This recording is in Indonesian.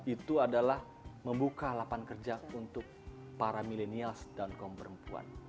itu adalah membuka lapangan kerja untuk para milenials dan kaum perempuan